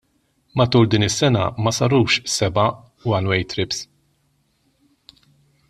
Matul din is-sena ma sarux seba' ' one way trips '.